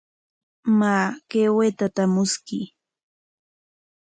Maa, kay waytata mushkuy.